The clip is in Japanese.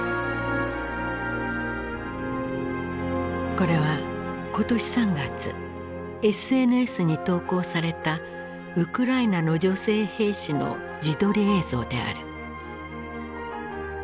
これは今年３月ＳＮＳに投稿されたウクライナの女性兵士の自撮り映像である。